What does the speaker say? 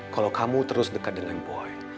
kalau kamu terus dekat dengan boy